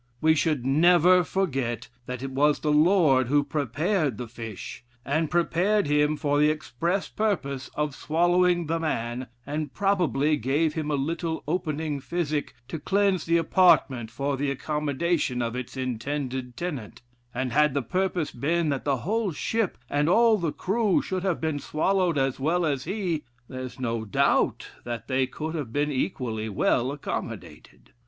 We should never forget that it was the Lord who prepared the fish, and prepared him for the express purpose of swallowing the man, and probably gave him a little opening physic, to cleanse the apartment for the accommodation of its intended tenant; and had the purpose been, that the whole ship and all the crew should have been swallowed as well as he, there's no doubt that they could have been equally well accommodated.